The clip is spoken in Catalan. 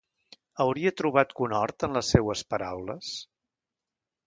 Hauria trobat conhort en les seues paraules?